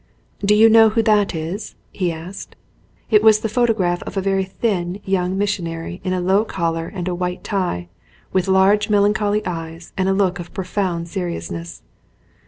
"Do you know who that is?" he asked. It was the photograph of a very thin young missionary in a low collar and a white tie, with large melancholy eyes and a look of profound seriousness.